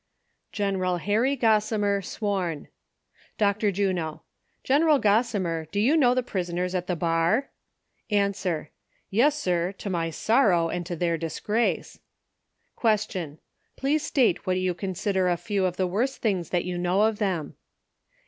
Gen. Harry Gossimer, sworn. Dr. Jwjio.— General Gossimer, do you know the prisoners at the bar V 4n«w)er.— Yes, sir, to my sorrow and to their disgrace. ^.—Please state what you consider a few of the worst things that you know of them.